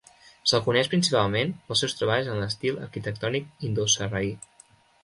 Se'l coneix principalment pels seus treballs en l'estil arquitectònic indo-sarraí.